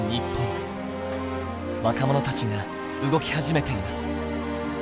若者たちが動き始めています。